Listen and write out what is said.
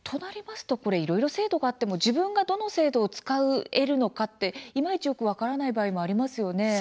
いろいろ制度があっても自分がどの制度を使えるのかいまいちよく分からない場合がありますね。